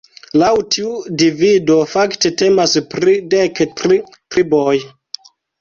Laŭ tiu divido fakte temas pri dek tri triboj.